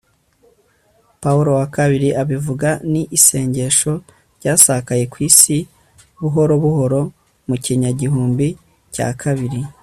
pawulo wa ii abivuga ni isengesho ryasakaye ku isi buhoro buhoro mu kinyagihumbi cya kabiri